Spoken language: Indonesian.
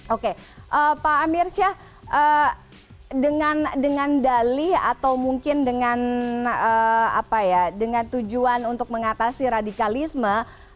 oke pak amir syah dengan dalih atau mungkin dengan tujuan untuk mengatasi radikalisme